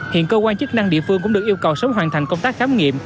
hiện cơ quan chức năng địa phương cũng được yêu cầu sớm hoàn thành công tác khám nghiệm